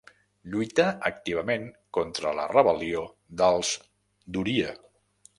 Lluità activament contra la rebel·lió dels d'Oria.